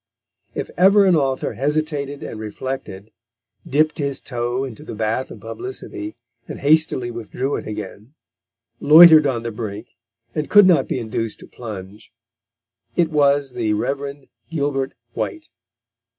If ever an author hesitated and reflected, dipped his toe into the bath of publicity, and hastily withdrew it again, loitered on the brink and could not be induced to plunge, it was the Rev. Gilbert White.